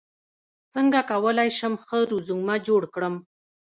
څنګه کولی شم ښه رزومه جوړ کړم